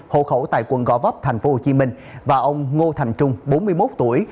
hộ khẩu tại quận gò vấp thành phố hồ chí minh và ông ngô thành trung bốn mươi một tuổi